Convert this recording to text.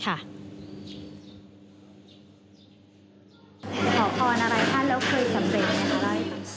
ขอพรอะไรค่ะแล้วคือสำเร็จอะไร